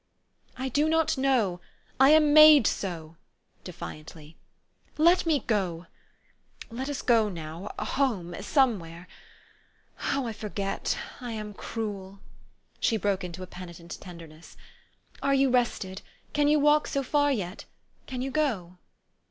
"I do not know. I am made so," defiantly. "Let me go. Let us go now home, somewhere. Oh, I forget! I am cruel." She broke into a peni tent tenderness. " Are you rested? Can you walk so far yet ? Can you go